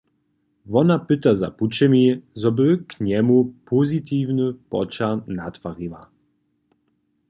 Wona pyta za pućemi, zo by k njemu pozitiwny poćah natwariła.